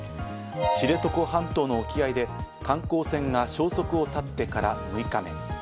知床半島の沖合で観光船が消息を絶ってから６日目。